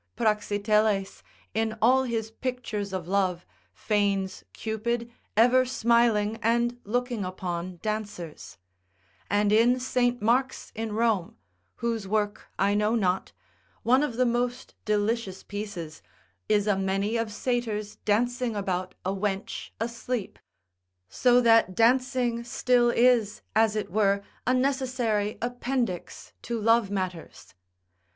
Praxiteles, in all his pictures of love, feigns Cupid ever smiling, and looking upon dancers; and in St. Mark's in Rome (whose work I know not), one of the most delicious pieces, is a many of satyrs dancing about a wench asleep. So that dancing still is as it were a necessary appendix to love matters.